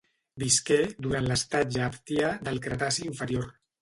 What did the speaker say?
Visqué durant l'estatge Aptià del Cretaci inferior.